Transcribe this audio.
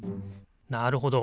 なるほど。